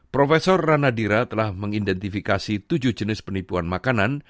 profesor radadira telah mengidentifikasi tujuh jenis penipuan makanan